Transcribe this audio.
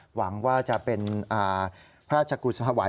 หวังว่าจะเป็นพระราชกุศธวาร